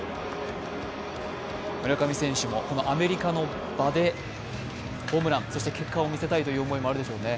村上選手もアメリカの場でホームラン、そして結果を見せたいという思いもあるでしょうね。